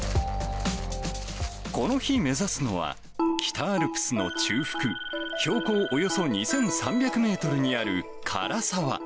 この日、目指すのは、北アルプスの中腹、標高およそ２３００メートルにある涸沢。